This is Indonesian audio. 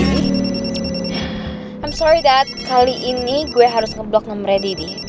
i'm sorry dad kali ini gue harus ngeblok nomernya didi